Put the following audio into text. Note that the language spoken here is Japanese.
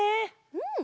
うん！